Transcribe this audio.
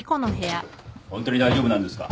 ホントに大丈夫なんですか？